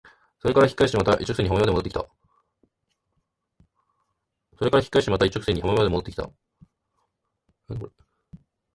それから引き返してまた一直線に浜辺まで戻って来た。